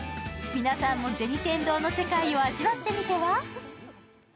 皆さんも銭天堂の世界を味わってみては？